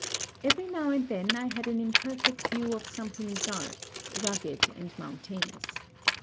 Every now and then I had an imperfect view of something dark, rugged, and mountainous.